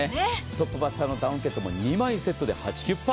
トップバッターのダウンケットも２枚セットでハチキュッパ。